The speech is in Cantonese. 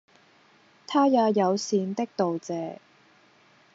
她也友善的道謝